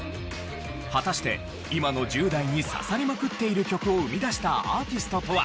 果たして今の１０代に刺さりまくっている曲を生み出したアーティストとは？